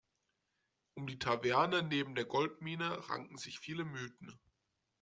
Um die Taverne neben der Goldmine ranken sich viele Mythen.